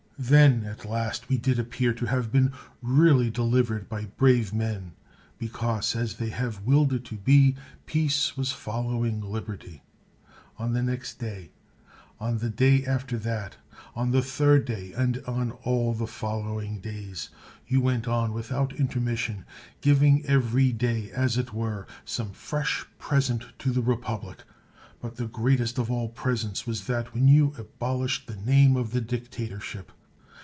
Then, at last, we did appear to have been really delivered by brave men, because, as they had willed it to be, peace was following liberty. On the next day, on the day after that, on the third day, and on all the following days, you went on without intermission, giving every day, as it were, some fresh present to the repub lic; but the greatest of all presents was that when you abolished the name of the dictatorship.